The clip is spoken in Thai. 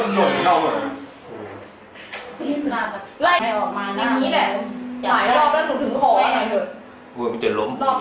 มันน่ามีรถหล่นเรานะ